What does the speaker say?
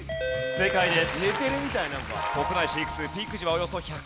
正解です。